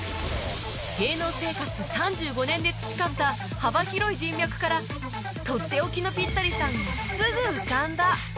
芸能生活３５年で培った幅広い人脈からとっておきのピッタリさんがすぐ浮かんだ